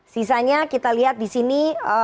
sisanya kita lihat di sini